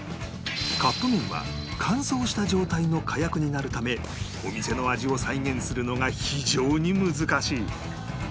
カップ麺は乾燥した状態のかやくになるためお店の味を再現するのが非常に難しい